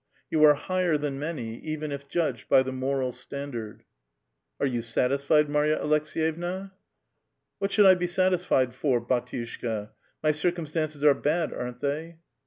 You are higher than many, even if judged by the moral standard. '* Are you satisfied, Marya Aleks^yevna ?"'* What should 1 be satisfied for, bdtiushka, Mv circum stances are bad, aren't thcv